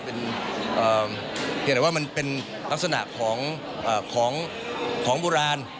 เห็นแต่ว่ามันเป็นลักษณะของโบราณ